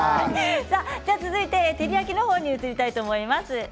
続いて、照り焼きに移りたいと思います。